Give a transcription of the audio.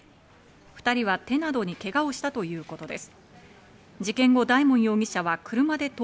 ２人は手などにけがをしたということです。